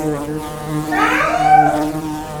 La película fue rodada en Toronto, Canadá.